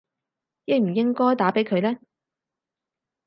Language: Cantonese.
應唔應該打畀佢呢